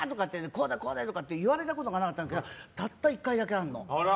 こうだこうだ！とか言われたことがなかったんだけどたった１回だけあるのよ。